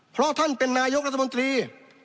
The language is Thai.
เพราะท่านเป็นนายกรัฐมนตรี